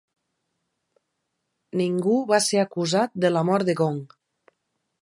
Ningú va ser acusat de la mort de Gong.